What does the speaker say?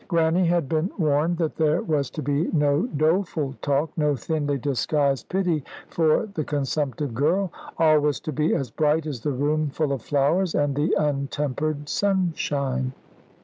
Grannie had been warned that there was to be no doleful talk, no thinly disguised pity for the consumptive girl. All was to be as bright as the room full of flowers and the untempered sunshine.